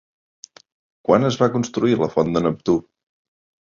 Quan es va construir la font de Neptú?